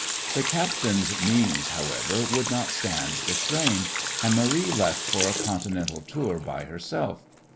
The captain's means, however, would not stand the strain, and Marie left for a Continental tour by herself.